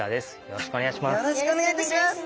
よろしくお願いします。